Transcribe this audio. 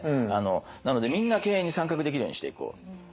なのでみんな経営に参画できるようにしていこう。